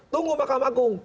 tunggu makam agung